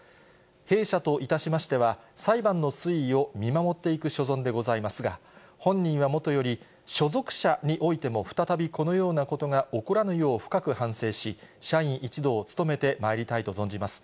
弊社といたしましては、裁判の推移を見守っていく所存でございますが、本人はもとより、所属者においても再びこのようなことが起こらぬよう深く反省し、社員一同努めてまいりたいと存じます。